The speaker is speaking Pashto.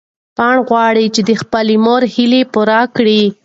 پاڼه غواړي چې د خپلې مور هیلې پوره کړي.